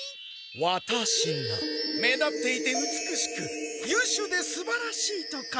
ワタシが目立っていて美しくゆうしゅうですばらしいとか。